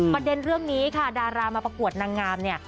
ประเด็นเรื่องนี้ค่ะดารามาประกวดนางงามเนี่ย